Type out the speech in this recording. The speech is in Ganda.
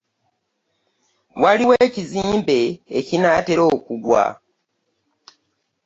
Waliwo ekizimbe ekinaatera okuggwa.